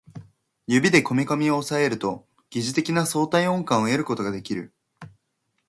指でこめかみを抑えると疑似的な相対音感を得ることができる